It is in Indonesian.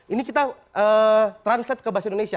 ini kita translate ke bahasa indonesia